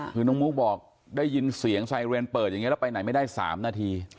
คือน้องมุกบอกได้ยินเสียงไซเรนเปิดอย่างนี้แล้วไปไหนไม่ได้๓นาที